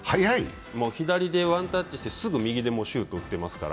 左手でワンタッチしてすぐ右でシュートを打ってますから。